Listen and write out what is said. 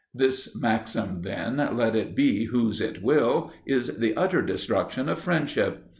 This maxim, then, let it be whose it will, is the utter destruction of friendship.